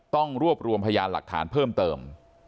ต้องรวบรวมพยานหลักฐานเพิ่มเติม